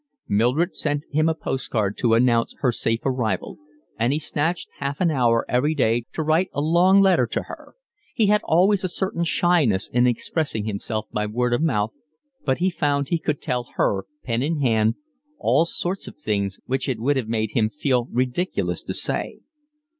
Mildred sent him a postcard to announce her safe arrival, and he snatched half an hour every day to write a long letter to her. He had always a certain shyness in expressing himself by word of mouth, but he found he could tell her, pen in hand, all sorts of things which it would have made him feel ridiculous to say.